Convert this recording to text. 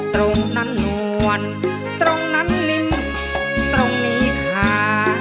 ตรงนั้นนวลตรงนั้นนิ่มตรงนี้ขา